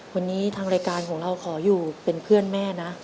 วันนี้ทางรายการของเราขออยู่เป็นเพื่อนแม่นะ